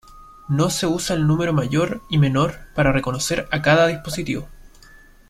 No se usa el número "mayor" y "menor" para reconocer a cada dispositivo.